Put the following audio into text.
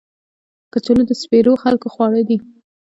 کچالو د سپېرو خلکو خواړه دي